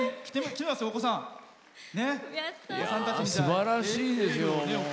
すばらしいですよ。